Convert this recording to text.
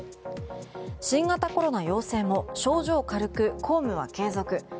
新型コロナ陽性も症状軽く公務は継続